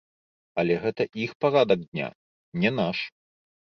Але гэта іх парадак дня, не наш.